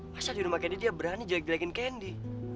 masa di rumah candy dia berani jagelakin candy